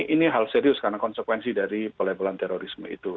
ini hal serius karena konsekuensi dari pelebelan teroris itu